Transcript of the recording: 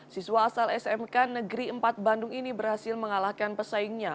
siswa asal smk negeri empat bandung ini berhasil mengalahkan pesaingnya